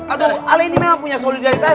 aduh hal ini memang punya solidaritas